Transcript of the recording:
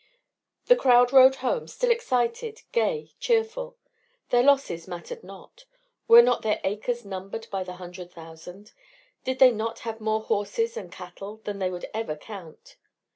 The crowd rode home, still excited, gay, cheerful. Their losses mattered not. Were not their acres numbered by the hundred thousand? Did they not have more horses and cattle than they would ever count?